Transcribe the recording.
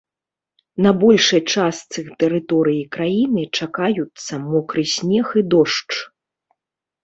На большай частцы тэрыторыі краіны чакаюцца мокры снег і дождж.